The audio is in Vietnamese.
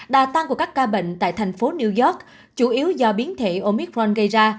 đà tăng của các ca bệnh tại thành phố new york chủ yếu do biến thể omitron gây ra